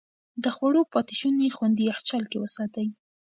د خوړو پاتې شوني خوندي يخچال کې وساتئ.